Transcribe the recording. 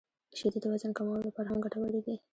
• شیدې د وزن کمولو لپاره هم ګټورې دي.